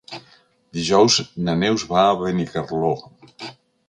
Dijous na Neus va a Benicarló.